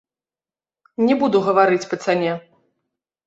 Не буду гаварыць па цане.